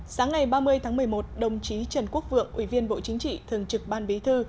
sáng ngày ba mươi tháng một mươi một đồng chí trần quốc vượng ủy viên bộ chính trị thường trực ban bí thư